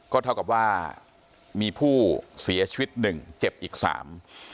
เท่ากับว่ามีผู้เสียชีวิตหนึ่งเจ็บอีกสาม